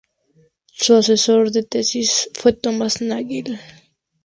Su asesor de tesis fue Thomas Nagel.